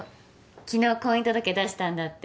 昨日婚姻届出したんだって？